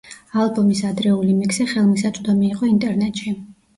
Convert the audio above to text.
ალბომის ადრეული მიქსი ხელმისაწვდომი იყო ინტერნეტში.